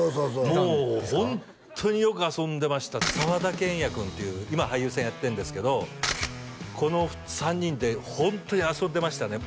もうホントによく遊んでました澤田謙也君っていう今俳優さんやってるんですけどこの３人でホントに遊んでましたね